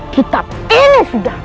kitab ini sudah